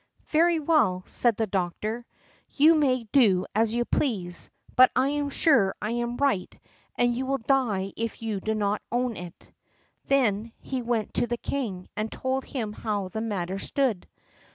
"Very well," said the doctor, "you may do as you please, but I am sure I am right, and you will die if you do not own it." Then he went to the king, and told him how the matter stood.